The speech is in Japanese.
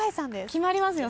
決まりますよ